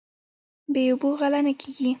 بې اوبو غله نه کیږي.